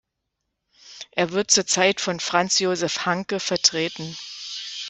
Er wird zurzeit von Franz-Josef Hanke vertreten.